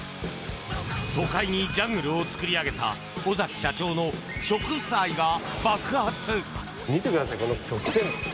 都会にジャングルを作り上げた尾崎社長の植物愛が爆発！